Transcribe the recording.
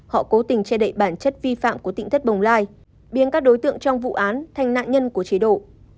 họ cố tình che đậy bản chất vi phạm của tỉnh thất bồng lai biến các đối tượng trong vụ án thành nạn nhân của chế độ